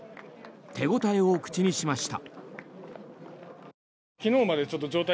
手応えを口にしました。